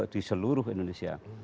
di seluruh indonesia